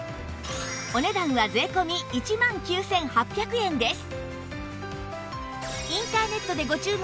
お値段は税込１万９８００円です